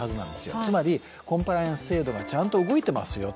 つまりコンプライアンス制度がちゃんと動いていますよと。